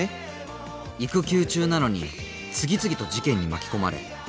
育休中なのに次々と事件に巻き込まれ。